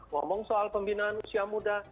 ngomong soal pembinaan usia muda